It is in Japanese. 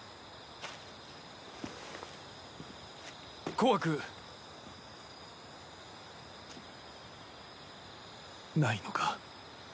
怖くないのか？